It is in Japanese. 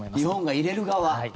日本が入れる側。